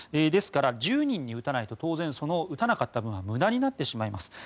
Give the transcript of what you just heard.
ですから、１０人に打たないと当然、打たなかった分は無駄になってしまいます。